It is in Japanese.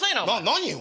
何よ！